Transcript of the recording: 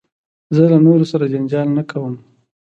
زه له نورو سره جنجال نه کوم.